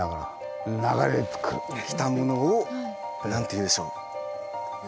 きたものを何ていうでしょう？